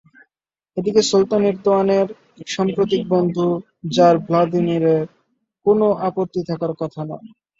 এদিকে সুলতান এরদোয়ানের সাম্প্রতিক বন্ধু জার ভ্লাদিমিরের কোনো আপত্তি থাকার কথা নয়।